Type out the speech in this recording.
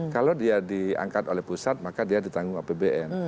kalau dia diangkat oleh pusat maka dia ditanggung apbn